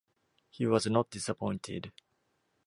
He was not disappointed.